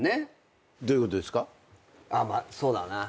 まあそうだな。